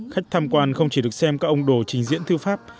khách tham quan không chỉ được xem các ông đồ trình diễn thư pháp